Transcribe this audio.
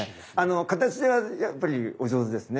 形ではやっぱりお上手ですね。